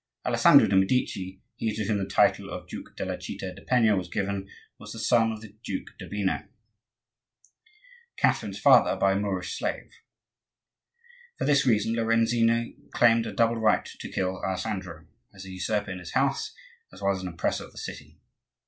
Alessandro de' Medici, he to whom the title of Duke della citta di Penna was given, was the son of the Duke d'Urbino, Catherine's father, by a Moorish slave. For this reason Lorenzino claimed a double right to kill Alessandro,—as a usurper in his house, as well as an oppressor of the city.